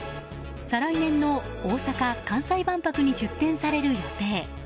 再来年の大阪・関西万博に出展される予定。